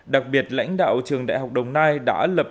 đặc biệt lãnh đạo trường đại học đồng nai đã lập